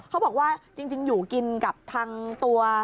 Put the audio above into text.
เขาบอกว่าจริงอยู่กินกับทางตัว